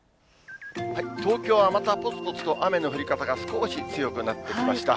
東京はまたぽつぽつと雨の降り方が少し強くなってきました。